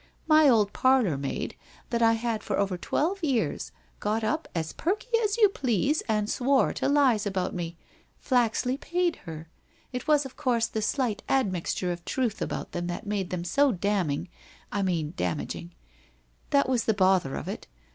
My old parlour maid, that I had WHITE ROSE OF WEARY LEAF 181 had over twelve years, got up, as perky as you please and swore to lies about me! Flaxley paid her. It was, of course, the slight admixture of truth about them that made them so damning — I mean damaging. That was the bother of it.